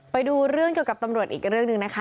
ไปดูเรื่องเกี่ยวกับตำรวจอีกเรื่องหนึ่งนะคะ